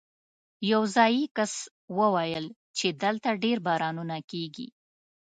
یو ځايي کس وویل چې دلته ډېر بارانونه کېږي.